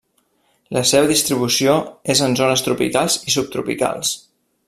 La seva distribució és en zones tropicals i subtropicals.